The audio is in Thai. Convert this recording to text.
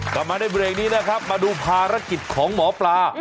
กลับมาในเบรกนี้นะครับมาดูภารกิจของหมอปลา